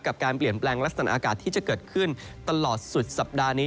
การเปลี่ยนแปลงลักษณะอากาศที่จะเกิดขึ้นตลอดสุดสัปดาห์นี้